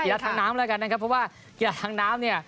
ทางน้ำแล้วกันนะครับเพราะว่ากีฬาทางน้ำเนี่ย